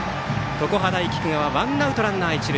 常葉大菊川ワンアウトランナー、一塁。